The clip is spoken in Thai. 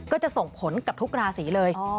ก็จะส่งผลกับทุกราศีเลย